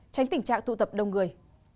tránh tình trạng tụ tập đông người